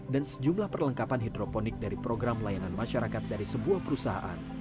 dan sejumlah perlengkapan hidroponik dari program layanan masyarakat dari sebuah perusahaan